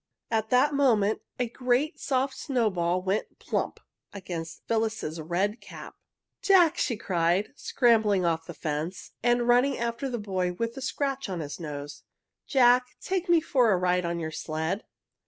At that moment a great soft snowball went plump! against Phyllis's red cap. "Jack!" she cried, scrambling off the fence and running after the boy with the scratch on his nose. "Jack, take me for a ride on your sled!"